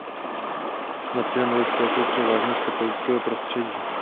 Nacionalisté jsou převážně z katolického prostředí.